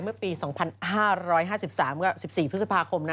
เมื่อปี๒๕๕๓กับ๑๔พฤษภาคมนะ